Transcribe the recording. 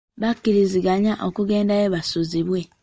Bakkiriziganya okugendayo basuzibwe.